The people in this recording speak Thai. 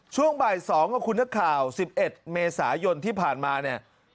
ช่วงบ่าย๒กับคุณนักข่าว๑๑เมษายนที่ผ่านมาเนี่ย